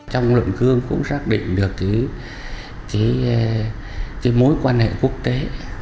trong luận cương cũng xác định được mối quan hệ quốc tế